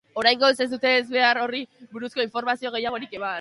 Oraingoz, ez dute ezbehar horri buruzko informazio gehiagorik eman.